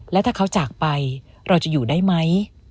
แล้วถ้าเขาจากไปเราจะอยู่ได้ไหม